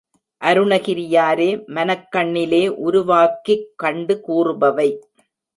அருணகிரியாரே மனக் கண்ணிலே உருவாக்கிக் கண்டு கூறுபவை.